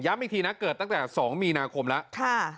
อีกทีนะเกิดตั้งแต่๒มีนาคมแล้ว